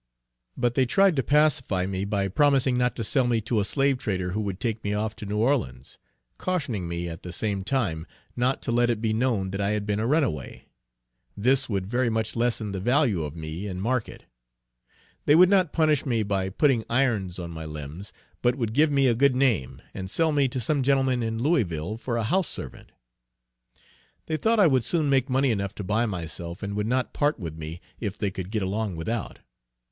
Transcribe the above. But they tried to pacify me by promising not to sell me to a slave trader who would take me off to New Orleans; cautioning me at the same time not to let it be known that I had been a runaway. This would very much lessen the value of me in market. They would not punish me by putting irons on my limbs, but would give me a good name, and sell me to some gentleman in Louisville for a house servant. They thought I would soon make money enough to buy myself, and would not part with me if they could get along without.